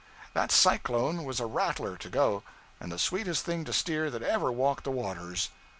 That "Cyclone" was a rattler to go, and the sweetest thing to steer that ever walked the waters.